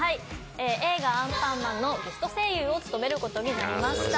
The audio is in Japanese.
映画『アンパンマン』のゲスト声優を務めることになりました。